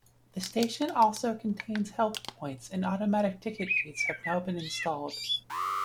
The station also contains help points and automatic ticket gates have now been installed.